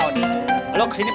gak bolehkan abis